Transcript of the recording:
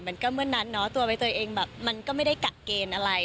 มันก็เมื่อนั้นเนาะตัวใบเตยเองแบบมันก็ไม่ได้กะเกณฑ์อะไร